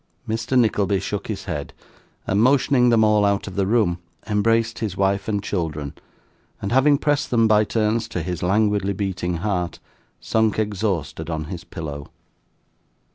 Mr. Nickleby shook his head, and motioning them all out of the room, embraced his wife and children, and having pressed them by turns to his languidly beating heart, sunk exhausted on his pillow.